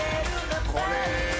これ。